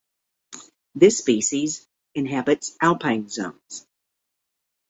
This species inhabits alpine zones.